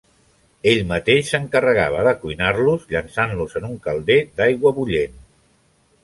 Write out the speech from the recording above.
Ell mateix s'encarregava de cuinar-los llençant-los en un calder d'aigua bullent.